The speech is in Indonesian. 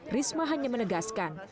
risma hanya menegaskan